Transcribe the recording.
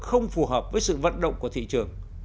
không phù hợp với sự vận động của thị trường